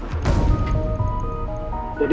jadi gak bisa diselametin lagi